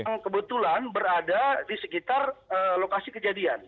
yang kebetulan berada di sekitar lokasi kejadian